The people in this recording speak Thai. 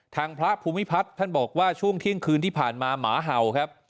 ทางพระภูมิพัฒน์ท่านบอกว่าช่วงเที่ยงคืนที่ผ่านมาหมาเห่าครับ